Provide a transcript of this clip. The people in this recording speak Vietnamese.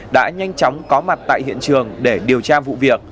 đã nhanh chóng có mặt tại hiện trường để điều tra vụ việc